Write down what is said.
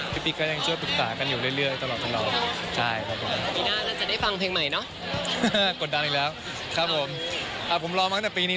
ติ๊กก็ยังช่วยปรึกษากันอยู่เรื่อยตลอด